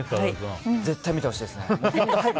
絶対見てほしいです。